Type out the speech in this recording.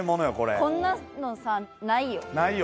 こんなのさないよ。ないよ。